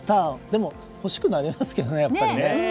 でも欲しくなりますけどね。